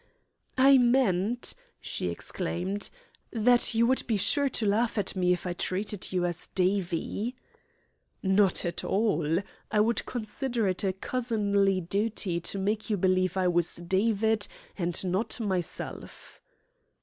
"I meant," she exclaimed, "that you would be sure to laugh at me if I treated you as Davie." "Not at all. I would consider it a cousinly duty to make you believe I was David, and not myself."